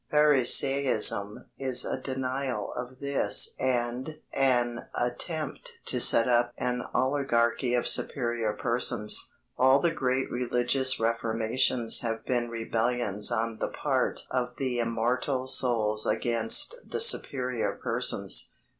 Pharisaism is a denial of this and an attempt to set up an oligarchy of superior persons. All the great religious reformations have been rebellions on the part of the immortal souls against the superior persons.